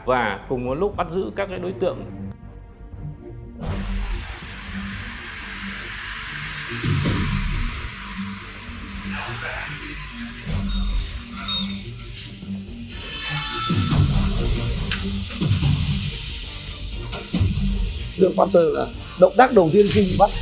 và cùng một lúc bắt giữ các đối tượng